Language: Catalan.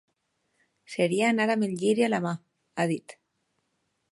Seria anar amb el lliri a la mà, ha dit.